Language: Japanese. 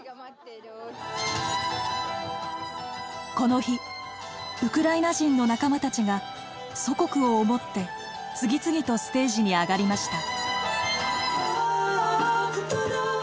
この日ウクライナ人の仲間たちが祖国を思って次々とステージに上がりました。